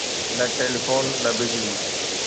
نه ٽيليفون، نه بجلي.